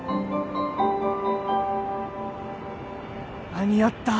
間に合った！